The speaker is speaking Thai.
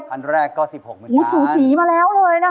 คตอนแรกก็สิบหกนะโหสรุสีมาแล้วเลยฮะ